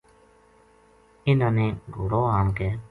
اِنھاں نے گھوڑو آن کے